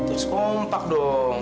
terus kompak dong